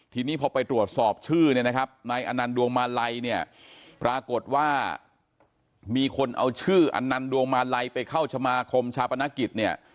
ทีนี้พอไปตรวจสอบชื่อเนี่ยนะครับนายอนันต์ดวงมาลัยเนี่ยปรากฏว่ามีคนเอาชื่ออันนันดวงมาลัยไปเข้าสมาคมชาปนกิจเนี่ย